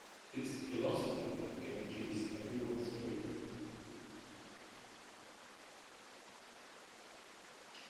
It's the philosophy that guarantees everyone's freedom.